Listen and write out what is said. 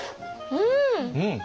うん！